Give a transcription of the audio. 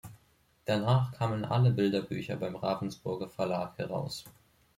Danach kamen alle Bilderbücher beim Ravensburger Verlag heraus.